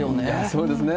そうですね。